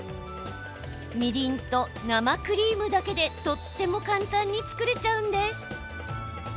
みりんと生クリームだけでとっても簡単に作れちゃうんです。